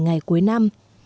ngày cuối năm